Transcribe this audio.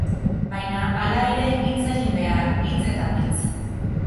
Baina, hala ere, hitz egin behar, hitz eta pitz.